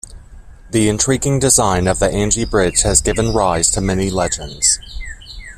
The intriguing design of the Anji bridge has given rise to many legends.